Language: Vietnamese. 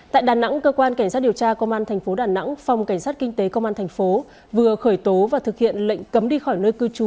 tại đà nẵng cơ quan cảnh sát điều tra công an tp đà nẵng phòng cảnh sát kinh tế công an thành phố vừa khởi tố và thực hiện lệnh cấm đi khỏi nơi cư trú